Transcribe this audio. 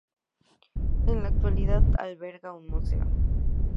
En la actualidad alberga un museo.